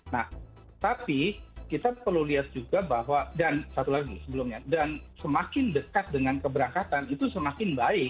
nah tapi kita perlu lihat juga bahwa dan satu lagi sebelumnya dan semakin dekat dengan keberangkatan itu semakin baik